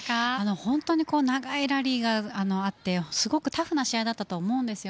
本当に長いラリーがあってすごくタフな試合だったと思うんです。